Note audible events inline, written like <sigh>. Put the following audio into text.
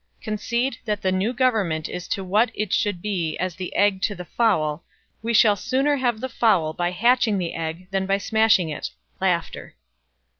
Concede that the new government is to what it should be as the egg to the fowl, we shall sooner have the fowl by hatching the egg than by smashing it." <laughs>